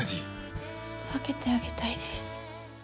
分けてあげたいです